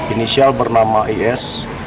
inisial bernama is